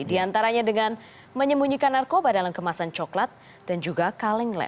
di antaranya dengan menyembunyikan narkoba dalam kemasan coklat dan juga kalenglet